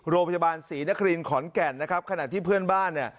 โรงพยาบาลศรีนครินขอนแก่นนะครับขณะที่เพื่อนบ้านเนี่ย